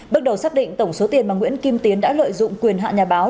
bước đầu xác định tổng số tiền mà nguyễn kim tiến đã lợi dụng quyền hạ nhà báo